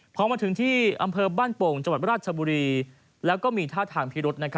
พอมาถึงที่อำเภอบ้านโป่งจังหวัดราชบุรีแล้วก็มีท่าทางพิรุษ